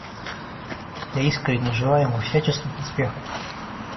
Я искренне желаю ему всяческих успехов.